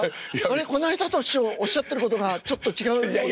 この間と師匠おっしゃってることがちょっと違う。